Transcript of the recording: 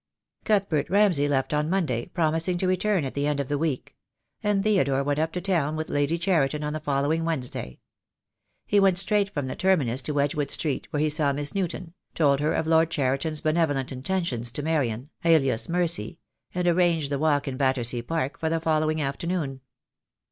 Cuthbert Ramsay left on Monday, promising to return at the end of the week; and Theodore went up to town with Lady Cheriton on the following Wednesday. He went straight from the terminus to Wedgewood Street, where he saw Miss Newton, told her of Lord Cheriton's benevolent intentions to Marian, alias Mercy, and arranged the walk in Battersea Park for the following afternoon.